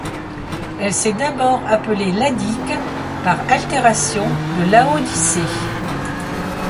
Elle s’est d’abord appelée Ladik par altération de Laodicée.